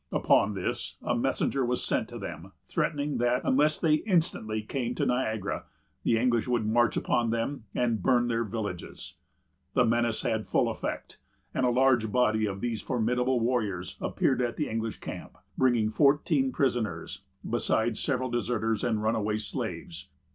Upon this, a messenger was sent to them, threatening that, unless they instantly came to Niagara, the English would march upon them and burn their villages. The menace had full effect; and a large body of these formidable warriors appeared at the English camp, bringing fourteen prisoners, besides several deserters and runaway slaves.